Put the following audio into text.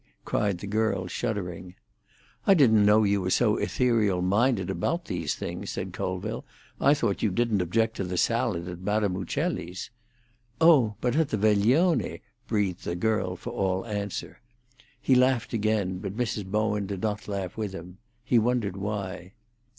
cried the girl, shuddering. "I didn't know you were so ethereal minded about these things," said Colville. "I thought you didn't object to the salad at Madame Uccelli's." "Oh, but at the veglione!" breathed the girl for all answer. He laughed again, but Mrs. Bowen did not laugh with him; he wondered why.